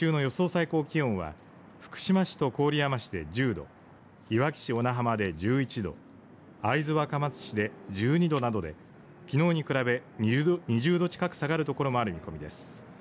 最高気温は福島市と郡山市で１０度いわき市小名浜で１１度会津若松市で１２度などできのうに比べ２０度近く下がる所もある見込みです。